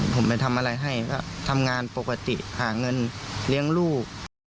ผมไปทำอะไรให้ก็ทำงานปกติหาเงินเลี้ยงลูก